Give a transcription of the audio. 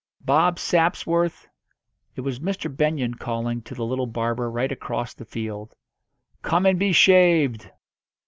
"Bob Sapsworth!" It was Mr. Benyon calling to the little barber right across the field. "Come and be shaved!"